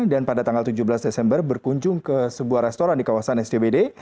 dan pada tanggal tujuh belas desember berkunjung ke sebuah restoran di kawasan sdbd